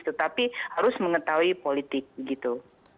tetapi harus mengetahui politik gitu